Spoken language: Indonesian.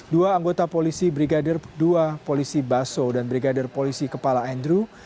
dua anggota polisi brigadir dua polisi baso dan brigadir polisi kepala andrew